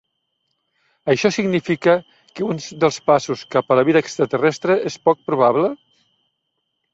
Això significa que un dels passos cap a la vida extraterrestre és poc probable?